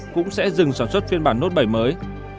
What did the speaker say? cũng sẽ dừng sản xuất phiên bản nốt bảy mới